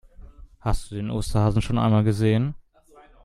Hast du den Osterhasen schon einmal gesehen?